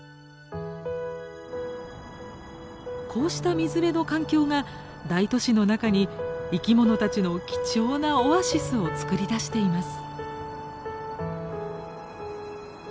こうした水辺の環境が大都市の中に生き物たちの貴重なオアシスを作り出しています。